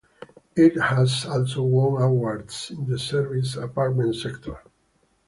It has also won awards in the serviced apartment sector.